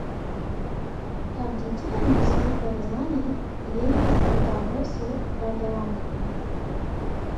Hevdîtinên Mesrûr Barzanî yên li Davosê berdewam dikin.